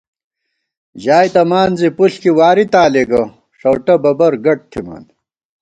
ژائےتمان زی پُݪ کی واری تالےگہ، ݭؤٹہ ببرگٹ تھِمان